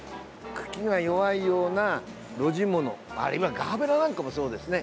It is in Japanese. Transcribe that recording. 茎が弱いような露地ものガーベラなんかもそうですね。